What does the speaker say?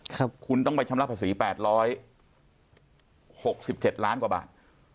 ครับคุณต้องไปชำระภาษีแปดร้อยหกสิบเจ็ดล้านกว่าบาท